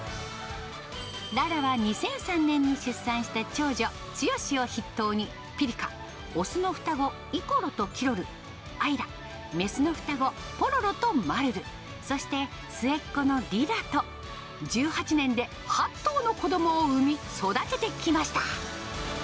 ララは２００３年に出産した長女、ツヨシを筆頭にピリカ、雄の双子、イコロとキロル、アイラ、雌の双子、ポロロとマルル、そして末っ子のリラと、１８年で８頭の子どもを産み、育ててきました。